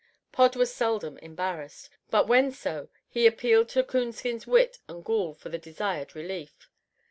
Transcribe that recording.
Pod was seldom embarrassed, but when so he appealed to Coonskin's wit and gall for the desired relief.